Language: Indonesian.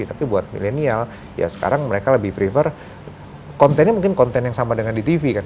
tapi buat milenial ya sekarang mereka lebih prefer kontennya mungkin konten yang sama dengan di tv kan